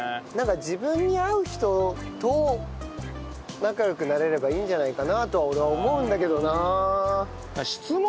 自分に合う人と仲良くなれればいいんじゃないかなと俺は思うんだけどなあ。